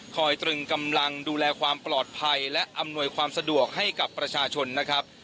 ตรึงกำลังดูแลความปลอดภัยและอำนวยความสะดวกให้กับประชาชนนะครับ